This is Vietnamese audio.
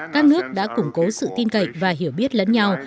các nước đã củng cố sự tin cậy và hiểu biết lẫn nhau